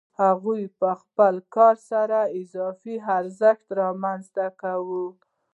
هغوی په خپل کار سره اضافي ارزښت رامنځته کوي